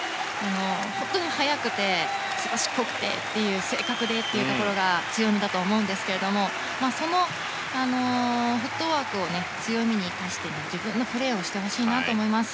本当に速くて、すばしっこくて正確でというところが強みだと思うんですけれどもそのフットワークを強みに生かして、自分のプレーをしてほしいなと思います。